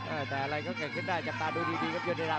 เอ่อแต่อะไรก็แก่ขึ้นได้จับตาดูดีครับยนต์เนดา